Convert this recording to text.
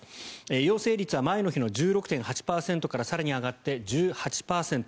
陽性率は前の日の１６．８％から更に上がって１８％。